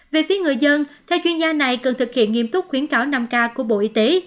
về phía người dân theo chuyên gia này cần thực hiện nghiêm túc khuyến cáo năm k của bộ y tế